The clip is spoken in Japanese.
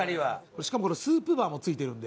しかもこれスープバーも付いてるので。